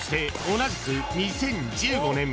同じく２０１５年